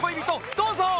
どうぞ！